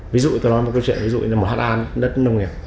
ví dụ tôi nói một câu chuyện ví dụ một ha đất nông nghiệp